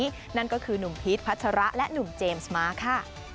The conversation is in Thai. นี่นั่นก็คือหนุ่มพีชพัชระและหนุ่มเจมส์มาค่ะ